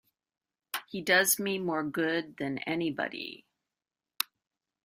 He does me more good than anybody.